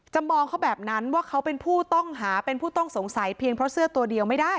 มองเขาแบบนั้นว่าเขาเป็นผู้ต้องหาเป็นผู้ต้องสงสัยเพียงเพราะเสื้อตัวเดียวไม่ได้